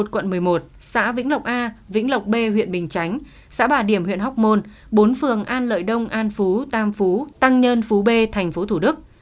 quận một mươi một xã vĩnh lộc a vĩnh lộc b huyện bình chánh xã bà điểm huyện hóc môn bốn phường an lợi đông an phú tam phú tăng nhân phú b tp thủ đức